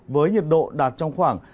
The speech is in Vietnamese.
với nhiệt độ đạt trong khoảng